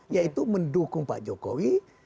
yaitu mendukung pak jokowi